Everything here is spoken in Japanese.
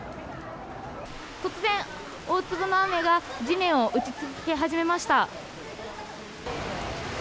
突然、大粒の雨が地面を打ちつけ始めました。